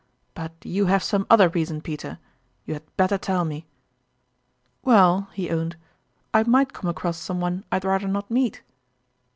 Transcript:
But you have some other reason, Peter you had better tell me !"" Well," he owned, " I might come across some one I'd rather not meet."